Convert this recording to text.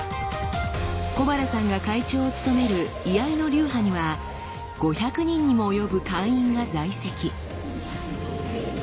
小原さんが会長を務める居合の流派には５００人にも及ぶ会員が在籍。